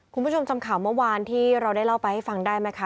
คุณผู้ชมจำข่าวเมื่อวานที่เราได้เล่าไปให้ฟังได้ไหมคะ